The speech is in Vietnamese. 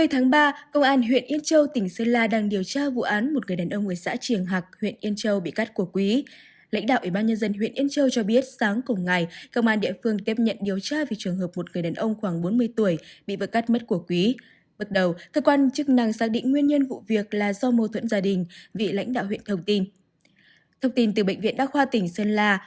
hãy đăng ký kênh để ủng hộ kênh của chúng mình nhé